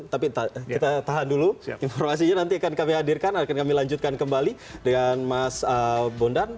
tapi kita tahan dulu informasinya nanti akan kami hadirkan akan kami lanjutkan kembali dengan mas bondan